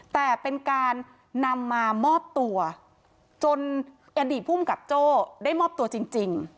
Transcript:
แต่เป็นการนำมามอบตัวจนอดีตภูมิกับโจ้ได้มอบตัวจริง